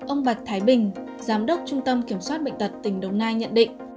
ông bạch thái bình giám đốc trung tâm kiểm soát bệnh tật tỉnh đồng nai nhận định